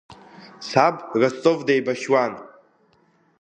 Саб Ростов деибашьуан.